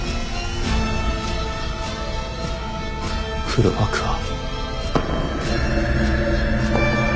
黒幕は。